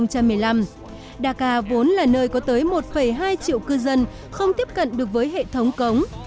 dhaka vốn là nơi có tới một hai triệu cư dân không tiếp cận được với hệ thống cống